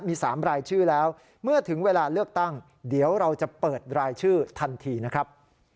มี๓รายชื่อแล้วเมื่อถึงเวลาเลือกตั้งเดี๋ยวเราจะเปิดรายชื่อทันทีนะครับ